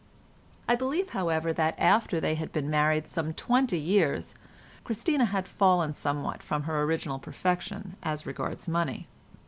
I believe, however, that after they had been married some twenty years, Christina had somewhat fallen from her original perfection as regards money.